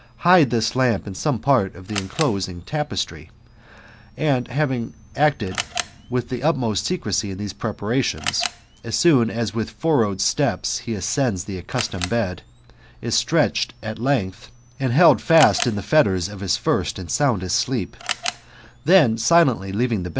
Hide this light in some part of the enclosing tapestry ; and having acted with the utmost secrecy in these preparations, as soon as with furrowed steps he ascends the accustomed bed, is stretched a t length, and held fast in the fetters of his first and soundest sleep, then silently leaving the GOLDEN ASS, OF APULEIUS. — BOOK V.